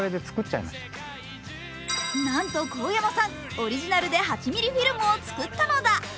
なんと神山さん、オリジナルで８ミリフィルムを作ったのだ。